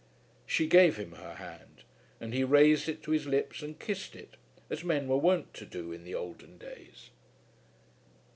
She gave him her hand; and he raised it to his lips and kissed it, as men were wont to do in the olden days.